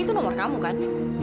ini tuh nomor kamu kan